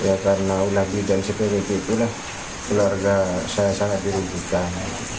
ya karena ulagi dan sepenuhnya itulah keluarga saya sangat dirujukan